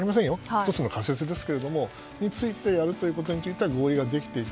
１つの仮説ですが、それについてやるということについては合意ができていた。